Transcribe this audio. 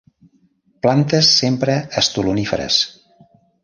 Plantes sempre estoloníferes.